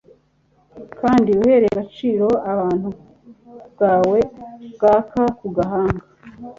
kandi uhe agaciro ubuntu bwawe bwaka ku gahanga